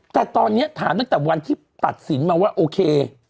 แต่ตอนนี้ถามตั้งแต่วันที่ตัดสินมาว่าโอเค